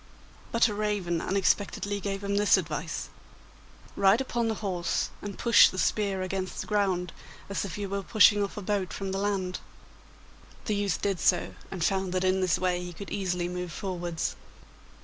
But a raven unexpectedly gave him this advice: 'Ride upon the horse, and push the spear against the ground, as if you were pushing off a boat from the land.' The youth did so, and found that in this way he could easily move forwards.